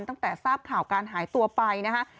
ตั้งแต่ทราบข่าวการหายตัวไปนะคะ